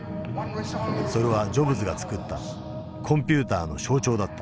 それはジョブズが作ったコンピューターの象徴だった。